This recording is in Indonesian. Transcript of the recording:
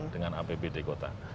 dengan apbd kota